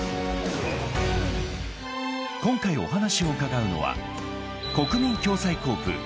［今回お話を伺うのは］